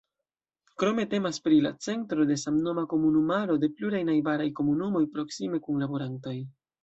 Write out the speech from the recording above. Krome temas pri la centro de samnoma komunumaro de pluraj najbaraj komunumoj proksime kunlaborantaj.